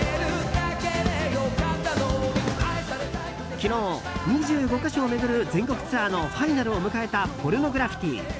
昨日、２５か所を巡る全国ツアーのファイナルを迎えたポルノグラフィティ。